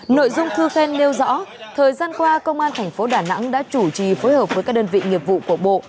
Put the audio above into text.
nội dung thư khen nêu rõ thời gian qua công an thành phố đà nẵng đã chủ trì phối hợp với các đơn vị nghiệp vụ của bộ